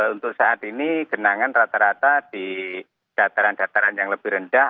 untuk saat ini genangan rata rata di dataran dataran yang lebih rendah